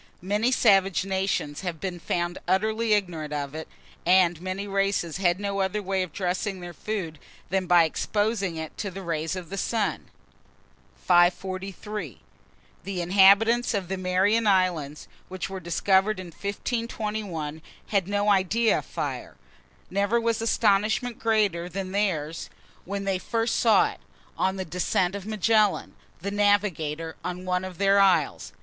Many savage nations have been found utterly ignorant of it, and many races had no other way of dressing their food than by exposing it to the rays of the sun. 543. THE INHABITANTS OF THE MARIAN ISLANDS, which were discovered in 1521, had no idea of fire. Never was astonishment greater than theirs when they first saw it, on the descent of Magellan, the navigator, on one of their isles.